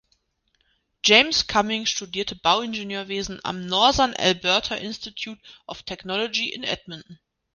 James Cumming studierte Bauingenieurwesen am Northern Alberta Institute of Technology in Edmonton.